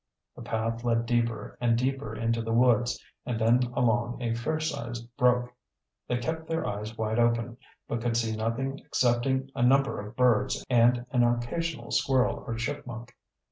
The path led deeper and deeper into the woods and then along a fairsized brook. They kept their eyes wide open, but could see nothing excepting a number of birds and an occasional squirrel or chipmunk.